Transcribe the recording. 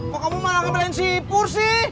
kok kamu malah ngebelain si pur sih